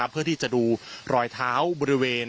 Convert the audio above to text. เพื่อที่จะดูรอยเท้าบริเวณ